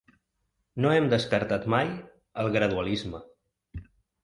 No hem descartat mai el gradualisme.